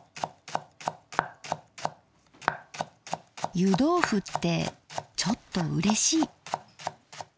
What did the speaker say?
湯どうふってちょっとうれしい。